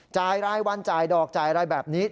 รายวันจ่ายดอกจ่ายอะไรแบบนี้